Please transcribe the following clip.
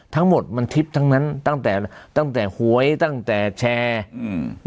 ทั้งหมดมันทิพย์ทั้งนั้นตั้งแต่ตั้งแต่หวยตั้งแต่แชร์อืม